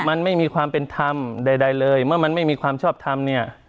มันไม่มีความเป็นธรรมใดเลยเมื่อมันไม่มีความชอบทำเนี่ย